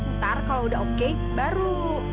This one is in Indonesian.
ntar kalau udah oke baru